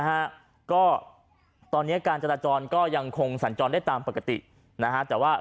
ฮะก็ตอนเนี้ยการจราจรก็ยังคงสัญจรได้ตามปกตินะฮะแต่ว่า